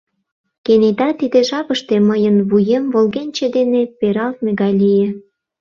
Кенета тиде жапыште мыйын вуем волгенче дене пералтме гай лие.